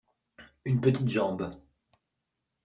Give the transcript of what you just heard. Une petite jambe.